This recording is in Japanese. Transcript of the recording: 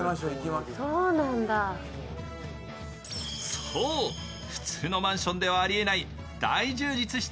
そう、普通のマンションではありえない大充実した